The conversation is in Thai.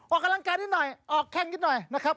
ออกกำลังกายนิดหน่อยออกแข้งนิดหน่อยนะครับ